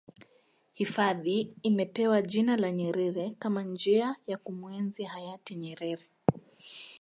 hifadhi imepewa jina la nyerere Kama njia ya kumuenzi hayati nyerere